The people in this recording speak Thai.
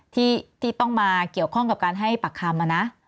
ที่ต้องมาเกี่ยวข้องกับการให้ปากคำนะ